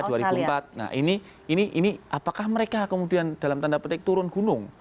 nah ini apakah mereka kemudian dalam tanda petik turun gunung